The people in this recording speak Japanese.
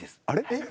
えっ？